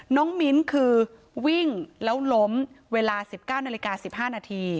น้องมิ้นท์คือวิ่งแล้วลมเวลา๑๙น๑๕น